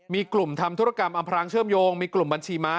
มีกลุ่มทำธุรกรรมอำพรางเชื่อมโยงมีกลุ่มบัญชีม้า